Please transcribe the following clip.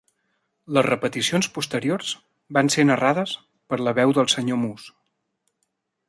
Les repeticions posteriors van ser narrades per la veu del senyor Moose.